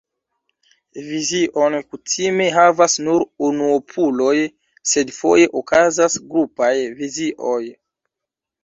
Vizion kutime havas nur unuopuloj, sed foje okazas grupaj vizioj.